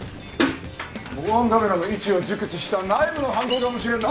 防犯カメラの位置を熟知した内部の犯行かもしれんな。